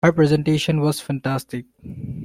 Her presentation was fantastic!